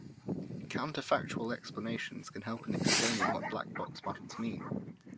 Counter-factual explanations can help in explaining what black-box models mean.